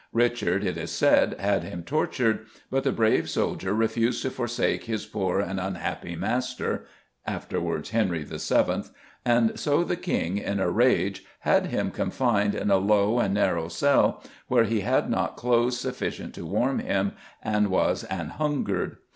Richard, it is said, had him tortured, but the brave soldier refused to forsake his "poor and unhappy master" (afterwards Henry VII.) and so "the King, in a rage, had him confined in a low and narrow cell where he had not clothes sufficient to warm him and was an hungered."